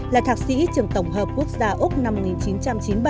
là thạc sĩ trường tổng hợp quốc gia úc năm một nghìn chín trăm chín mươi bảy